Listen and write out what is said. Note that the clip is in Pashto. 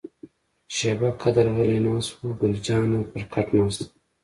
شیبه قدر غلي ناست وو، ګل جانه پر کټ ناسته وه.